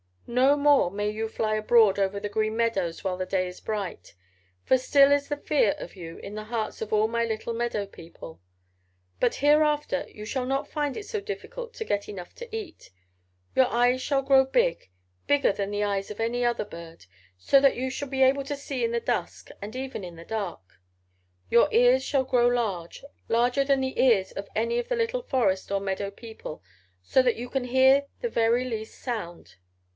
No more may you fly abroad over the Green Meadows while the day is bright, for still is the fear of you in the hearts of all my little meadow people, but hereafter you shall not find it so difficult to get enough to eat. Your eyes shall grow big, bigger than the eyes of any other bird, so that you shall be able to see in the dusk and even in the dark. Your ears shall grow large, larger than the ears of any of the little forest or meadow people, so that you can hear the very least sound.